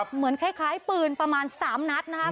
เหมือนคล้ายปืนประมาณ๓นัดนะคะ